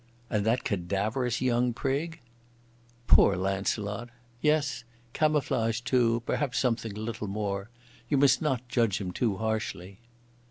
"And that cadaverous young prig?" "Poor Launcelot! Yes—camouflage too—perhaps something a little more. You must not judge him too harshly."